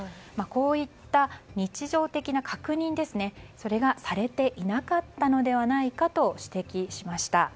こういった日常的な確認がされていなかったのではないかと指摘しました。